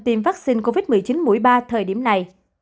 tiêm vaccine covid một mươi chín mũi ba thời điểm này